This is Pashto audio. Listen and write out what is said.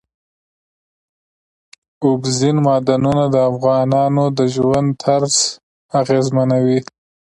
اوبزین معدنونه د افغانانو د ژوند طرز اغېزمنوي.